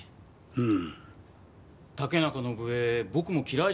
うん？